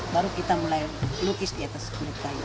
baru kita mulai lukis di atas kulit kayu